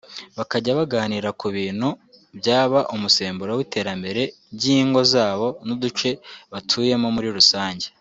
bakajya baganira ku bintu byaba umusemburo w’iterambere ry’ingo zabo n’uduce batuyemo muri rusange